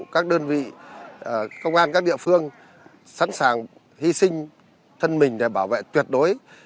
các đơn vị công an các địa phương sẵn sàng hy sinh thân mình để bảo vệ tuyệt đối